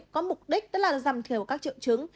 có mục đích tức là giảm thiểu các triệu chứng